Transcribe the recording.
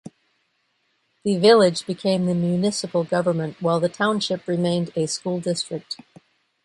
The Village became the municipal government while the Township remained a school district.